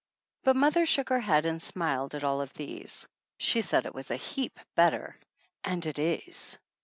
But mother shook her head and smiled at all of these. She said it was a heap better, and it is.